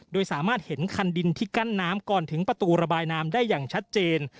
โดยสามารถเห็นคันดินที่กั้นน้ำก่อนถึงประตูระบายน้ำได้อย่างชัดเจน